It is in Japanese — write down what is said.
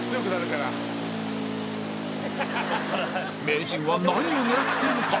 名人は何を狙っているのか？